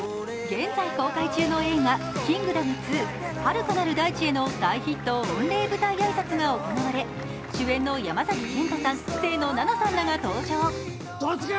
現在公開中の「キングダム２遥かなる大地へ」の大ヒット御礼舞台挨拶が行われ、主演の山崎賢人さん、清野菜名さんらが登場。